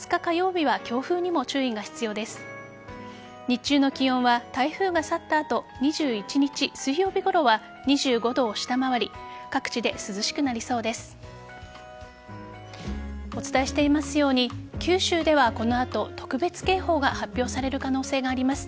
日中の気温は台風が去った後２１日水曜日ごろは２５度を下回り各地で涼しくなりそうです。